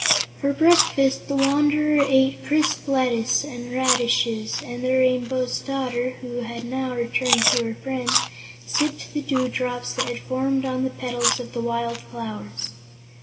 For breakfast the Wanderer ate crisp lettuce and radishes, and the Rainbow's Daughter, who had now returned to her friends, sipped the dewdrops that had formed on the petals of the wild flowers.